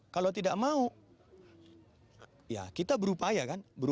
kalau tidak mau ya kita berupaya kan